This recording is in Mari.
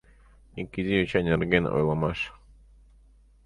Ик изи йоча нерген ойлымаш